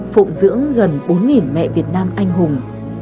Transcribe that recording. phụng dưỡng gần bốn mẹ việt nam anh hùng